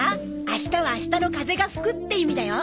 明日は明日の風が吹くって意味だよ。